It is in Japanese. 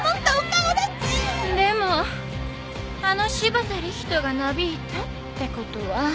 でもあの柴田理人がなびいたってことは。